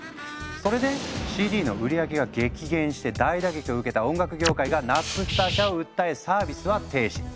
それでＣＤの売り上げが激減して大打撃を受けた音楽業界がナップスター社を訴えサービスは停止。